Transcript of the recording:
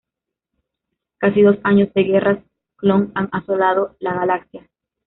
Casi dos años de Guerras Clon han asolado la Galaxia.